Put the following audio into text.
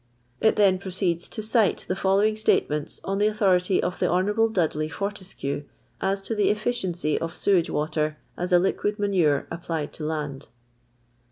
It then proceeds to cite the following state ments, on the authority of the Hon. Dudley For tescue, as to the efficiency of sewage water as a liquid manure applied to land.